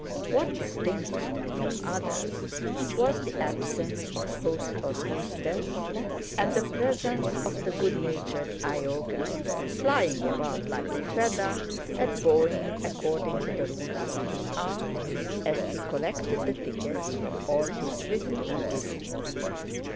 What distinguished them from others was the absence of host or hostess and the presence of the good natured Iogel, flying about like a feather and bowing according to the rules of his art, as he collected the tickets from all his visitors.